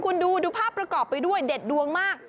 คุณดูดูภาพประกอบไปด้วยเด็ดดวงมาก